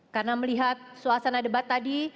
karena melihat suasana debat tadi